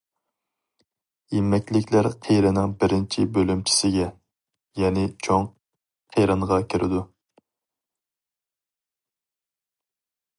يېمەكلىكلەر قېرىنىڭ بىرىنچى بۆلۈمچىسىگە، يەنى چوڭ قېرىنغا كىرىدۇ.